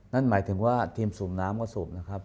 นั่นหมายถึงว่าทีมสูบน้ำก็สูบนะครับ